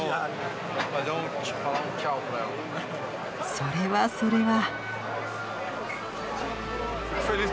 それはそれは。